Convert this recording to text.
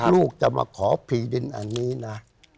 ลูกจะมาขอผีดินอันนี้นะ